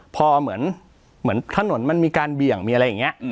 พอเหมือนถนนมันมีการเบี่ยงมีอะไรอย่างนี้